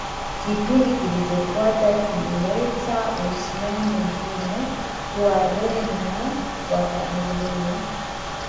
Kipindi kilichofuata kilileta uhusiano mgumu Wareno wakaendelea